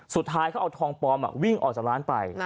สุดท้ายเขาเอาทองปลอมวิ่งออกจากร้านไป